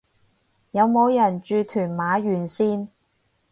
有冇人住屯馬沿線